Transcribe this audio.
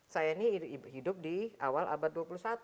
saya ini hidup di awal abad dua puluh satu